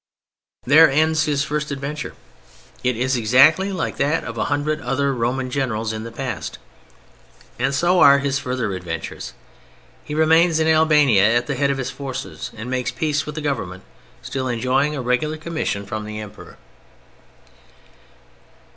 There ends his first adventure. It is exactly like that of a hundred other Roman generals in the past, and so are his further adventures. He remains in Albania at the head of his forces, and makes peace with the Government—still enjoying a regular commission from the Emperor.